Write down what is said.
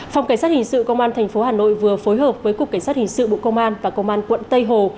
phòng cảnh sát hình sự công an tp hà nội vừa phối hợp với cục cảnh sát hình sự bộ công an và công an quận tây hồ